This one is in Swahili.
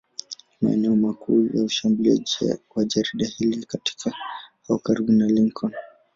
Maeneo makuu ya usambazaji wa jarida hili ni katika au karibu na Lincoln.